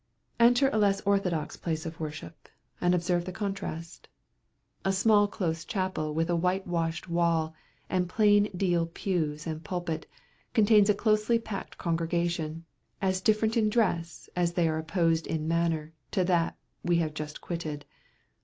Enter a less orthodox place of religious worship, and observe the contrast. A small close chapel with a white washed wall, and plain deal pews and pulpit, contains a closely packed congregation, as different in dress, as they are opposed in manner, to that we have just quitted.